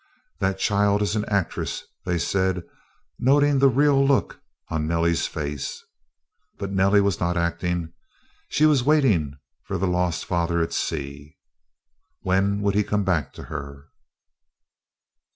"That child is an actress," they said, noting the "real" look on Nellie's face. But Nellie was not acting. She was waiting for the lost father at sea. When would he come back to her?